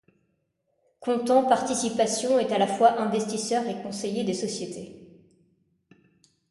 Content Participations est à la fois investisseur et conseiller des sociétés.